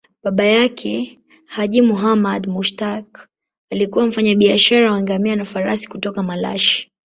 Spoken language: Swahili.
Baba yake, Haji Muhammad Mushtaq, alikuwa mfanyabiashara wa ngamia na farasi kutoka Malashi.